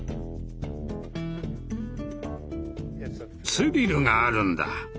スリルがあるんだ。